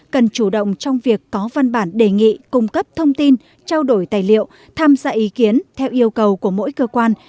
cần chủ động trong việc có văn bản đề nghị cung cấp thông tin trao đổi tài liệu tham gia ý kiến theo yêu cầu của mỗi cơ quan